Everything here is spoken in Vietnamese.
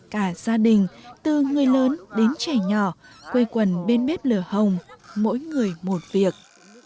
cả gia đình từ người lớn đến trẻ nhỏ quây quần bên bếp lửa hồng mỗi người một việc